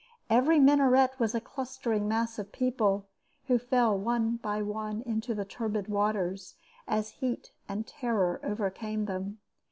Every minaret was a clustering mass of people, who fell one by one into the turbid waters, as heat and terror overcame them.